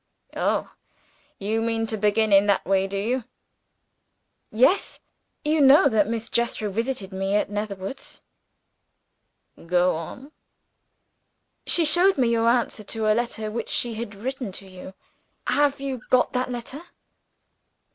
"Oh! You mean to begin in that way, do you?" "Yes. You know that Miss Jethro visited me at Netherwoods?" "Go on." "She showed me your answer to a letter which she had written to you. Have you got that letter?"